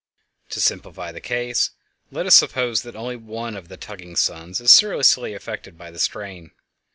To simplify the case, let us suppose that only one of the tugging suns is seriously affected by the strain.